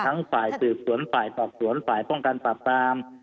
ฝ่ายสืบสวนฝ่ายสอบสวนฝ่ายป้องกันปราบปราม